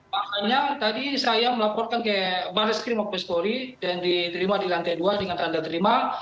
makanya tadi saya melaporkan ke barreskrim mokpeskori yang diterima di lantai dua dengan tanda terima